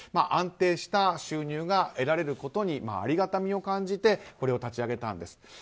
安定した収入が得られることにありがたみを感じてこれを立ち上げたんですと。